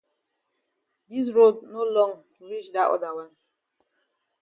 Dis road no long reach dat oda wan.